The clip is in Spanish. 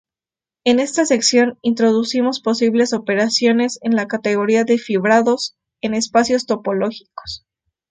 En esta sección introducimos posibles operaciones en la categoría de fibrados en espacios topológicos.